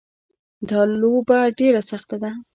دا لوبه ډېره سخته ده